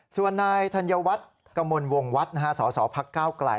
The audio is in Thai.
ส่วนนายธัญวัฒน์กมลวงวัฒน์สสพักเก้าไกล